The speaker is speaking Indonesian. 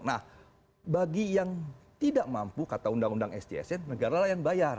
nah bagi yang tidak mampu kata undang undang sjsn negara lain bayar